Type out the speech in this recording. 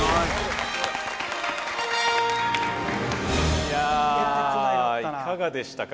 いやいかがでしたか？